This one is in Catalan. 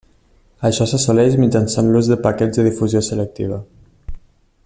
Això s'assoleix mitjançant l'ús de paquets de difusió selectiva.